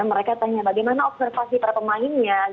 mereka tanya bagaimana observasi para pemainnya